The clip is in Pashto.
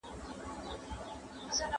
دې ربات ته بې اختیاره یم راغلی